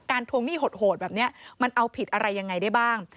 ทวงหนี้โหดแบบนี้มันเอาผิดอะไรยังไงได้บ้าง